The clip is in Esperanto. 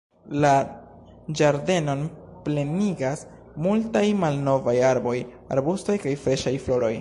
La ĝardenon plenigas multaj malnovaj arboj, arbustoj kaj freŝaj floroj.